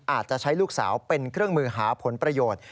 อาจจะใช้ลูกสาวเป็นเครื่องมือหาผลประโยชน์